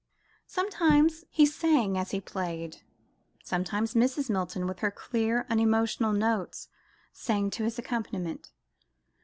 Sometimes he sang as he played; sometimes Mrs. Milton, with her clear unemotional notes, sang to his accompaniment.